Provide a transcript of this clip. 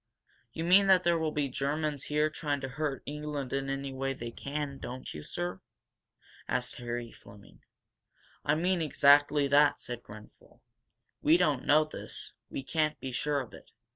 "You mean that there will be Germans here trying to hurt England any way they can, don't you sir? asked Harry Fleming. "I mean exactly that," said Grenfel. "We don't know this we can't be sure of it.